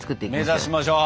目指しましょう。